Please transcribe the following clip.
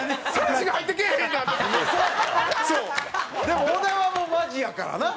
でも小田はもうマジやからな。